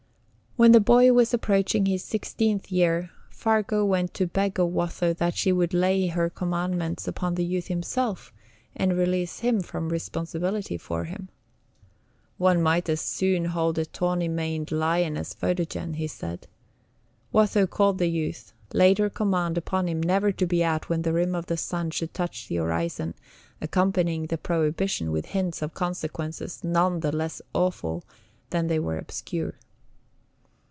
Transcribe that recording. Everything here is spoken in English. When the boy was approaching his sixteenth year, Fargu ventured to beg of Watho that she would lay her commands upon the youth himself, and release him from responsibility for him. One might as soon hold a tawny maned lion as Photogen, he said. Watho called the youth, laid her command upon him never to be out when the rim of the sun should touch the horizon, accompanying the prohibition with hints of consequences none the less awful that they were obscure.